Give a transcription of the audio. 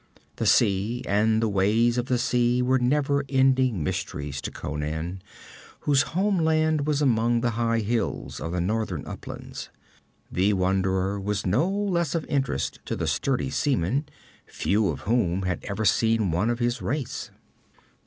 The sea and the ways of the sea were never ending mysteries to Conan, whose homeland was among the high hills of the northern uplands. The wanderer was no less of interest to the sturdy seamen, few of whom had ever seen one of his race.